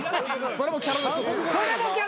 それもキャラの。